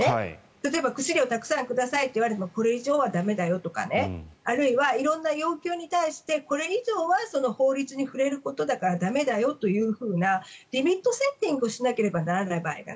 例えば薬をたくさんくださいと言われてもこれ以上は駄目だよとかあるいは色んな要求に対してこれ以上は法律に触れることだから駄目だよというふうなリミットセッティングしなければならない場合がある。